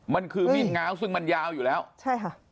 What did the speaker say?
มันคือมีดง้าวซึ่งมันยาวอยู่แล้วใช่ค่ะ